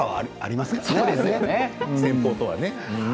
先方とはね。